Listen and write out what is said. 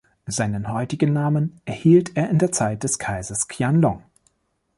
Seinen heutigen Namen erhielt er in der Zeit des Kaisers Qianlong.